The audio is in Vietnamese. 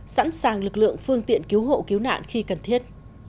sẵn sàng lực lượng phương tiện cứu hộ cứu nạn khi cần thiết